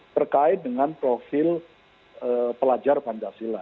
terkait dengan profil pelajar pancasila